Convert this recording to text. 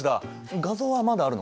画像はまだあるのかな？